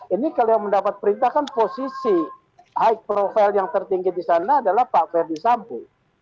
ini kalau yang mendapat perintah kan posisi high profile yang tertinggi di sana adalah pak ferdi sambo